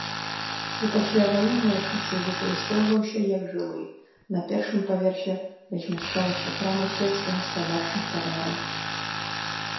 У пасляваенныя часы выкарыстоўваўся як жылы, на першым паверсе размяшчалася крама сельскагаспадарчых тавараў.